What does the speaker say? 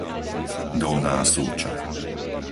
Dolná Súča